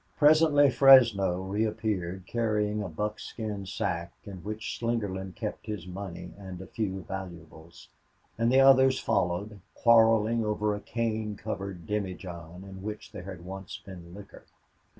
Presently Fresno reappeared carrying a buckskin sack in which Slingerland kept his money and few valuables, and the others followed, quarreling over a cane covered demijohn in which there had once been liquor.